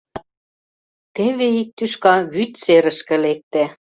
Теве ик тӱшка вӱд серышке лекте.